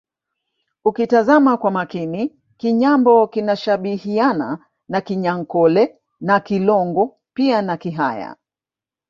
Ukitazama kwa makini Kinyambo kinashabihiana na Kinyankole na Kilongo pia na Kihaya